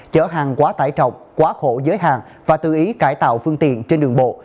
chở hàng quá tải trọng quá khổ giới hạn và tự ý cải tạo phương tiện trên đường bộ